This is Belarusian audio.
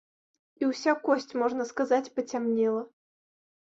І ўся косць, можна сказаць, пацямнела.